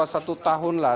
satu tahun lah